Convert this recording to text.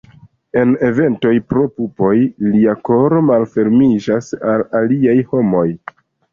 En eventoj pro pupoj, lia koro malfermiĝas al aliaj homoj.